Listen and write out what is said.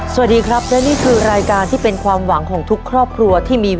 สวัสดีครับและนี่คือรายการที่เป็นความหวังของทุกครอบครัวที่มี